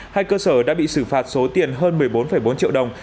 hai cơ sở đã bị xử phạt số tiền hơn một mươi bốn bốn triệu đồng